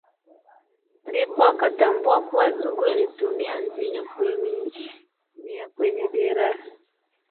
Ndipo akatambua kuwa Zugu alitumia mvinyo kuiminia kwenye jeraha